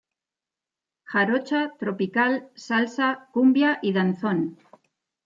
Jarocha, tropical, salsa, cumbia y danzón.